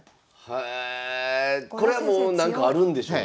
へえこれはもうなんかあるんでしょうね。